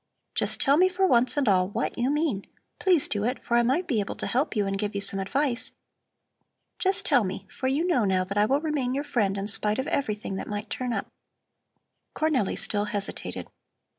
"Just tell me for once and all what you mean. Please do it, for I might be able to help you and give you some advice. Just tell me, for you know now that I will remain your friend in spite of everything that might turn up." Cornelli still hesitated.